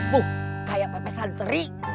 bu kayak pepe santri